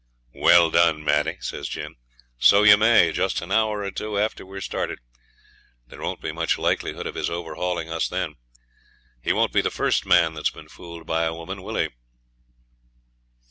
'Well done, Maddie!' says Jim; 'so you may, just an hour or two after we're started. There won't be much likelihood of his overhauling us then. He won't be the first man that's been fooled by a woman, will he?'